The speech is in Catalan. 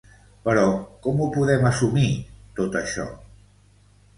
Però com ho podem assumir, tot això?